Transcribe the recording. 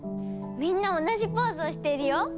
みんな同じポーズをしているよ。